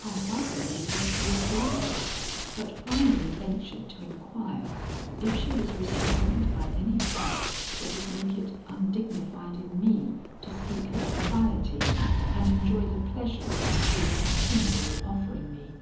I hardly knew what to reply, but finally ventured to inquire if she was restrained by any fact that would make it undignified in me to seek her society and enjoy the pleasures she is continually offering me.